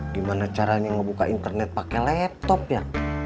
gimana caranya ngebuka internet pakai laptop ya